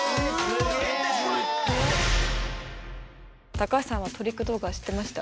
高橋さんはトリック動画知ってました？